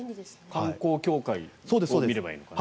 観光協会のサイトを見ればいいのかな。